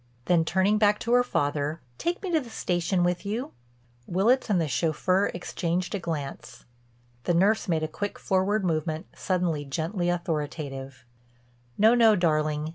Then turning back to her father, "Take me to the station with you?" Willitts and the chauffeur exchanged a glance. The nurse made a quick forward movement, suddenly gently authoritative: "No, no, darling.